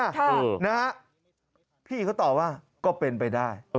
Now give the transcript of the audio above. ค่ะนะฮะพี่เขาตอบว่าก็เป็นไปได้